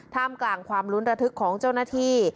ท่ามกลางความลุ้นระทึกของเจ้าหน้าที่